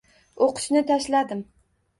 O`qishni tashladim